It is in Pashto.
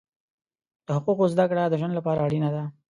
د حقوقو زده کړه د ژوند لپاره اړینه ده.